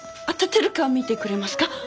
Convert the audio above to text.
当たってるか見てくれますか？